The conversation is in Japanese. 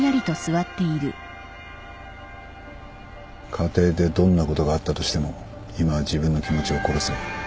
家庭でどんなことがあったとしても今は自分の気持ちを殺せ。